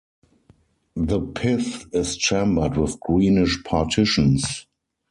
The pith is chambered with greenish partitions.